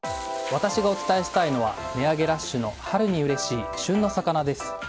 私がお伝えしたいのは値上げラッシュの春にうれしい旬の魚です。